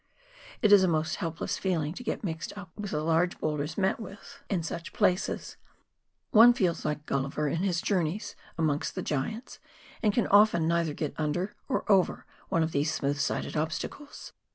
It is a most helpless feeling to get mixed up with the large boulders met with in such 92 PIONEER WORK IN THE ALPS OF NEW ZEALAND. places. One feels like Gulliver in his journeys amongst the giants, and can often neither get xmder or over one of these smooth sided obstacles.